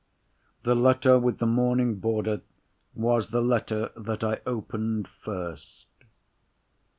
The letter with the mourning border was the letter that I opened first.